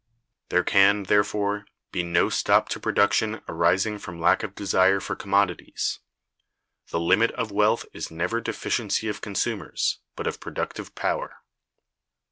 There can, therefore, be no stop to production arising from lack of desire for commodities. "The limit of wealth is never deficiency of consumers," but of productive power.